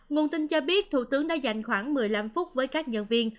nguồn tin cho biết thủ tướng đã dành khoảng một mươi năm phút với các nhân viên